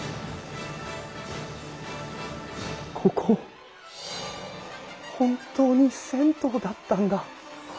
ここ本当に銭湯だったんだ。